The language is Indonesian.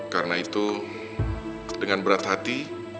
karena itu dengan berat hati